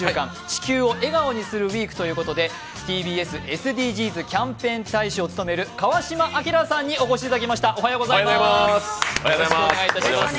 「地球を笑顔にするＷＥＥＫ」ということでＴＢＳＳＤＧｓキャンペーン大使を務める川島明さんにお越しいただきました。